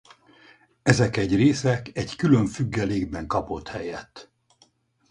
Ezek egy része egy külön függelékben kapott helyet.